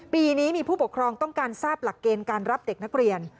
ปีนี้มีผู้ปกครองต้องการทราบหลักเกณฑ์การรับเด็กนักเรียน